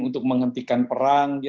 untuk menghentikan perang